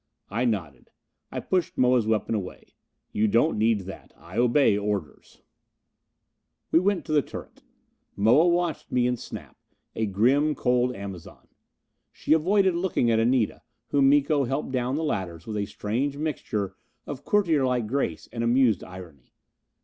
I nodded. I pushed Moa's weapon away. "You don't need that. I obey orders." We went to the turret. Moa watched me and Snap, a grim, cold Amazon. She avoided looking at Anita, whom Miko helped down the ladders with a strange mixture of courtierlike grace and amused irony.